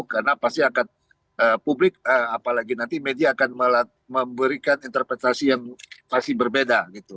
karena pasti akan publik apalagi nanti media akan memberikan interpretasi yang pasti berbeda gitu